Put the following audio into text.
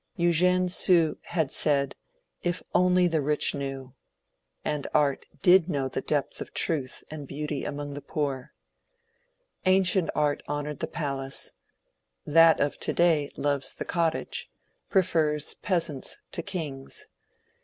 Eugene Sue had said, ^* If the rich only knew I " and art did know the depth of truth and beauty among the poor. Ancient art honoured the palace ; that of to day loves the cottage, — prefers pea sants to kings.